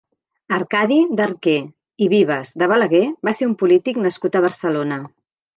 Arcadi d'Arquer i Vives de Balaguer va ser un polític nascut a Barcelona.